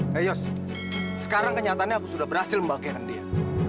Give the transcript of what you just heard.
hei jos sekarang kenyataannya aku sudah berhasil membahagiakan dia